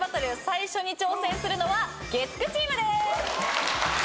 最初に挑戦するのは月９チームです！